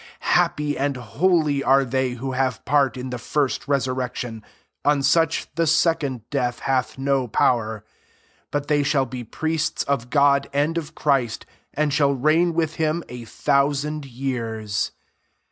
6 Happy and holy are they who have part in the first resurrec tion : on such the second death hath no power ; but they shall be priests of God and of Christ, and shall feign with him a thou sand years.